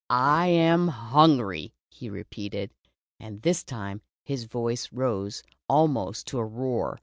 / am Jutngry,'' he repeated, and this time his voice rose almost to a roar.